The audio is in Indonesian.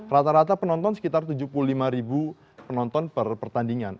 rata rata penonton sekitar tujuh puluh lima ribu penonton per pertandingan